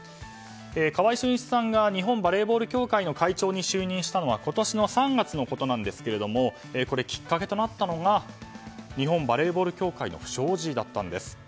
川合俊一さんが日本バレーボール協会の会長に就任したのは今年の３月のことなんですがきっかけとなったのが日本バレーボール協会の不祥事だったんです。